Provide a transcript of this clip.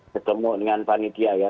ketemu dengan panitia ya